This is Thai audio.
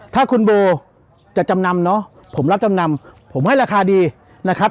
ถ้าคุณโบจะจำนำเนาะผมรับจำนำผมให้ราคาดีนะครับ